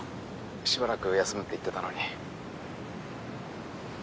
しばらく休むって言ってたのに。